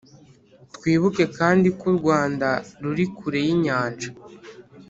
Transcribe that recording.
twibuke kandi ko u rwanda ruri kure y'inyanja cyane,